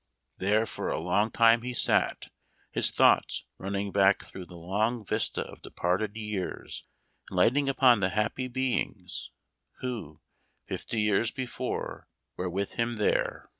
There for a long time he sat, his thoughts running back through the long vista of departed years, and lighting upon the happy beings who, fifty years before, were with him there.